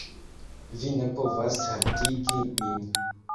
vi ne povas haltigi min.